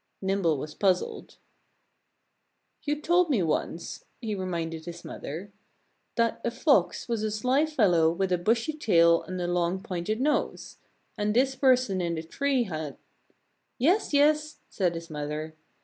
Nimble was puzzled. "You told me once," he reminded his mother, "that a Fox was a sly fellow with a bushy tail and a long pointed nose. And this person in the tree had " "Yes! Yes!" said his mother.